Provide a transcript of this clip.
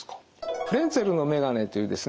フレンツェルのめがねというですね